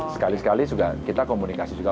sekali sekali juga kita komunikasi juga